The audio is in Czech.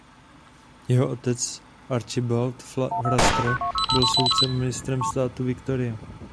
Jeho otec Archibald Fraser byl soudcem a ministrem státu Victoria.